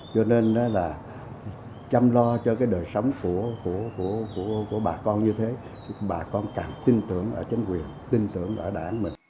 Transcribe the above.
cho nên là chăm lo cho cái đời sống của bà con như thế bà con càng tin tưởng ở chính quyền tin tưởng ở đảng mình